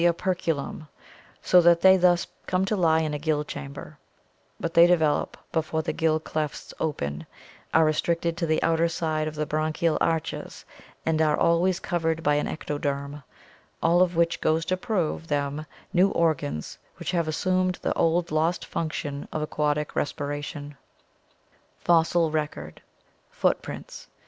Ioia 0I SKUl' tne °Per" culum, so that they thus come to lie in a gill chamber; but they develop before the gill clefts open, are restricted to the outer side of the branchial arches, and are always covered by ectoderm, all of which goes to prove them new organs which have assumed the old lost function of aquatic respiration. Fossil Record Footprints.